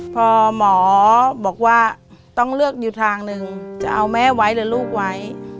พอหมอบอกว่าต้องเลือกอยู่ทางหนึ่งจะเอาแม่ไว้หรือลูกไว้